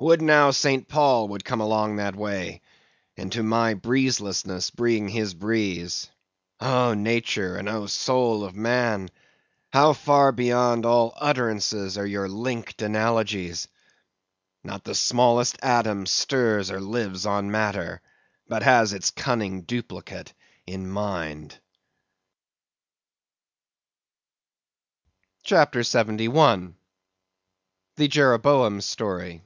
Would now St. Paul would come along that way, and to my breezelessness bring his breeze! O Nature, and O soul of man! how far beyond all utterance are your linked analogies! not the smallest atom stirs or lives on matter, but has its cunning duplicate in mind." CHAPTER 71. The Jeroboam's Story.